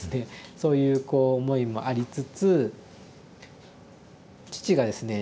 そういうこう思いもありつつ父がですね